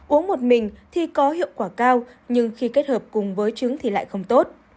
uống một mình thì có hiệu quả cao nhưng khi kết hợp cùng với trứng thì lại không tốt